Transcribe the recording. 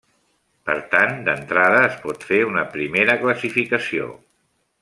Per tant, d'entrada es pot fer una primera classificació.